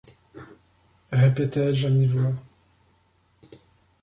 répétais-je à mi-voix.